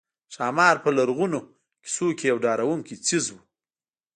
ښامار په لرغونو قصو کې یو ډارونکی څېز وو